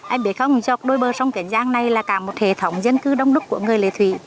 em biết không dọc đôi bờ sông kiến giang này là cả một hệ thống dân cư đông đúc của người lệ thủy